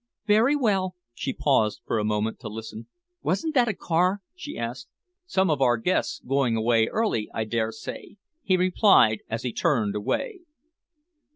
"Very well." She paused for a moment to listen. "Wasn't that a car?" she asked. "Some of our guests going early, I dare say," he replied, as he turned away.